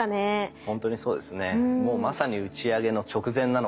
本当にそうですね。